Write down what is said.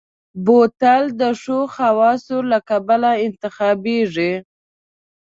بوتل د ښو خواصو له کبله انتخابېږي.